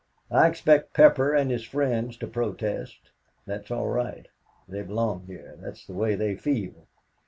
I expect Pepper and his friends to protest. That's all right, they belong here. That's the way they feel.